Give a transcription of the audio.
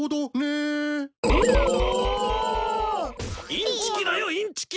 インチキだよインチキ！